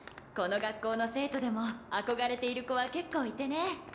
この学校の生徒でも憧れている子は結構いてね。